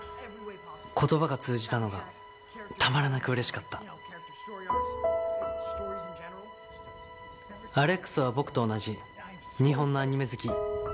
言葉が通じたのがたまらなくうれしかったアレックスは僕と同じ日本のアニメ好き。